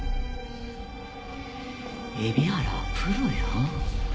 海老原はプロよ。